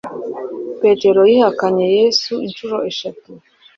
petero yihakanye yesu inshuro eshatu